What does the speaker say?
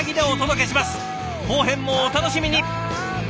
後編もお楽しみに！